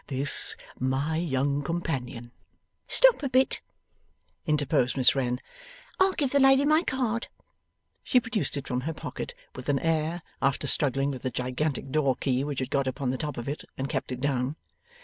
This, my young companion ' 'Stop a bit,' interposed Miss Wren. 'I'll give the lady my card.' She produced it from her pocket with an air, after struggling with the gigantic door key which had got upon the top of it and kept it down.